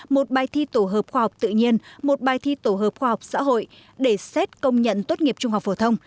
một bài thi tổ hợp khoa học tự nhiên một bài thi tổ hợp khoa học xã hội để xét công nhận tốt nghiệp trung học phổ thông